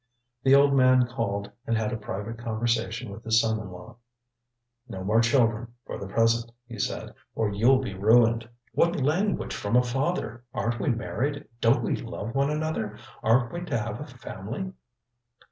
The old man called and had a private conversation with his son in law. ŌĆ£No more children, for the present, ŌĆØ he said, ŌĆ£or youŌĆÖll be ruined. ŌĆØ ŌĆ£What language from a father! ArenŌĆÖt we married! DonŌĆÖt we love one another? ArenŌĆÖt we to have a family?